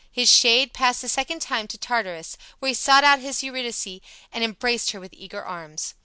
His shade passed a second time to Tartarus, where he sought out his Eurydice and embraced her with eager arms.